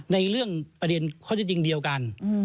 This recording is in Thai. ในเรื่องประเด็นข้อที่จริงเดียวกัน